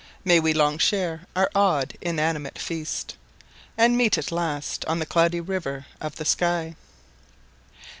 May we long share our odd, inanimate feast, And meet at last on the Cloudy River of the sky.